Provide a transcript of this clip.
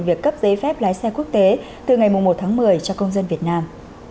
việc cấp giấy phép lái xe quốc tế từ ngày một tháng một mươi cho công dân việt nam